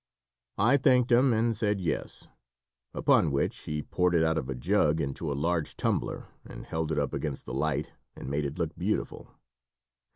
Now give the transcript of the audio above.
I thanked him and said "Yes." Upon which he poured it out of a jug into a large tumbler, and held it up against the light, and made it look beautiful.